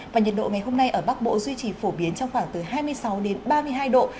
và nhiệt độ ngày hôm nay ở bắc bộ duy trì phổ biến trong khoảng từ hai mươi sáu ba mươi hai độ